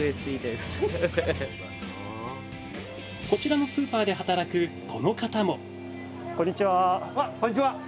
こちらのスーパーで働くこの方もこんにちは！